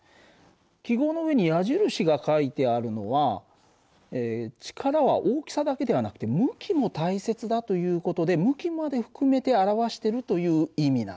記号の上に矢印が書いてあるのは力は大きさだけではなくて向きも大切だという事で向きまで含めて表してるという意味なんだ。